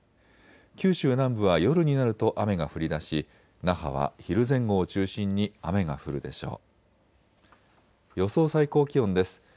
九州南部は夜になると雨が降りだし那覇は昼前後を中心に雨が降るでしょう。